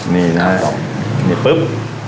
นี่นะฮะนี่ปุ๊บ